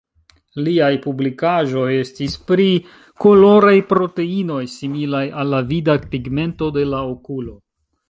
Liaj publikaĵoj estis pri koloraj proteinoj similaj al la vida pigmento de la okulo.